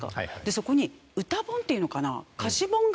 そこに歌本っていうのかな？